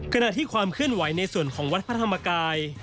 ขณะที่ความเคลื่อนไหวในส่วนของวัดพระธรรมกาย